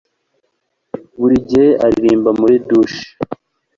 Buri gihe aririmba muri douche